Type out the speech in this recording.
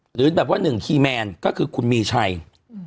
หรือแบบว่าหนึ่งคีย์แมนก็คือคุณมีชัย